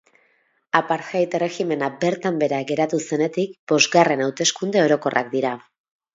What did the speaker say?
Apartheid erregimena bertan behera geratu zenetik bosgarren hauteskunde orokorrak dira.